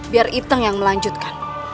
biar iteng yang melanjutkan